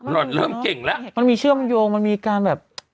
ล่อนเริ่มเก่งอยู่ละมันมีเชื่อมโยงมันมีการแบบ